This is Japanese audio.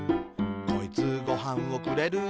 「こいつ、ご飯をくれる」